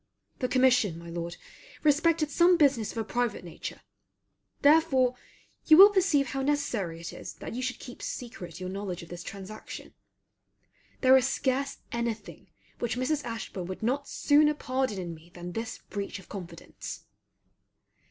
The commission, my Lord, respected some business of a private nature; therefore you will perceive how necessary it is that you should keep secret your knowledge of this transaction. There is scarce any thing which Mrs. Ashburn would not sooner pardon in me than this breach of confidence.